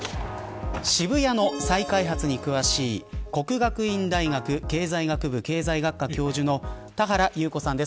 渋谷の再開発に詳しい國學院大學経済学部経済学科教授の田原裕子さんです。